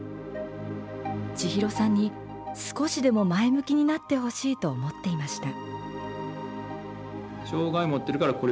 千尋さんに少しでも前向きになってほしいと思っていました。